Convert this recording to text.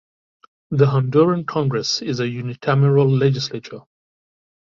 The Honduran Congress is a unicameral legislature.